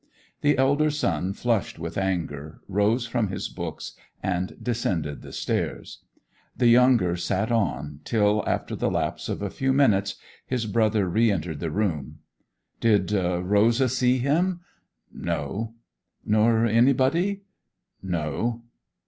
The elder son flushed with anger, rose from his books, and descended the stairs. The younger sat on, till, after the lapse of a few minutes, his brother re entered the room. 'Did Rosa see him?' 'No.' 'Nor anybody?' 'No.